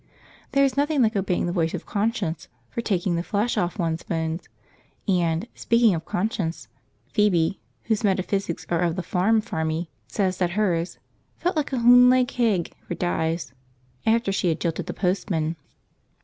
There is nothing like obeying the voice of conscience for taking the flesh off one's bones; and, speaking of conscience, Phoebe, whose metaphysics are of the farm farmy, says that hers "felt like a hunlaid hegg for dyes" after she had jilted the postman.